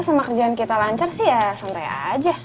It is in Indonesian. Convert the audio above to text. sama kerjaan kita lancar sih ya santai aja